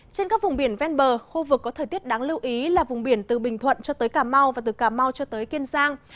trên các vùng biển ven bờ khu vực có thời tiết đáng lưu ý là vùng biển từ bình thuận cho tới cà mau và từ cà mau cho tới kiên giang